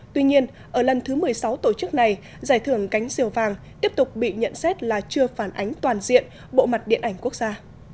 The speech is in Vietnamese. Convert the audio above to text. tuy nhiên ở lần thứ một mươi sáu tổ chức này giải thưởng cánh diều vàng tiếp tục bị nhận xét là chưa phản ánh toàn diện bộ mặt điện ảnh quốc gia